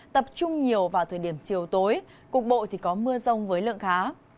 tập trung nhiều vào thời điểm chiều tối cục bộ thì có mưa rông với lượng khá